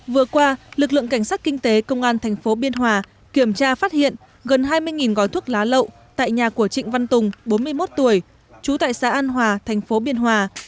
vừa qua lực lượng cảnh sát kinh tế công an thành phố biên hòa kiểm tra phát hiện gần hai mươi gói thuốc lá lậu tại nhà của trịnh văn tùng bốn mươi một tuổi trú tại xã an hòa thành phố biên hòa